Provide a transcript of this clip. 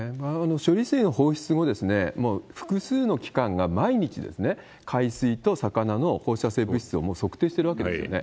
処理水の放出後、もう複数の機関が毎日海水と魚の放射性物質を測定してるわけですね。